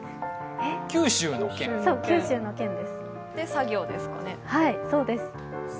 九州の県です。